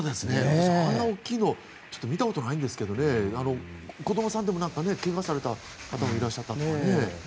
私、あんなに大きいのを見たことないんですけど子どもさんでも怪我された方もいらっしゃったとかね。